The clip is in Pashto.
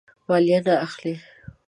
مالیه نه اخلي.